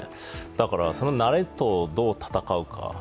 だから、その慣れとどう戦うか。